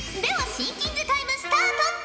シンキングタイムスタート！